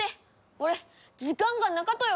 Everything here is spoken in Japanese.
俺時間がなかとよ。